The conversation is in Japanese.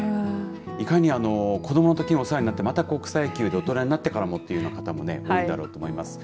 いかに子どものときにお世話になって草野球で大人になってからもという方も多いんだろうと思います。